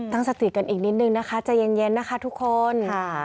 ตั้งสติกันอีกนิดนึงนะคะใจเย็นนะคะทุกคน